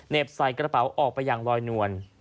เน็บใส่กระเป๋าออกไปยังลอย่วว์น